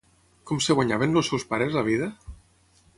Com es guanyaven els seus pares la vida?